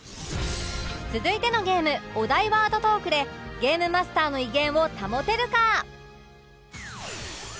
続いてのゲームお題ワードトークでゲームマスターの威厳を保てるか？